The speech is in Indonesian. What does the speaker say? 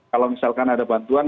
kalau misalkan ada bantuan